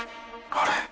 あれ？